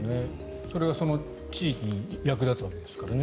それがその地域に役立つわけですからね。